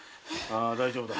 ⁉大丈夫だ。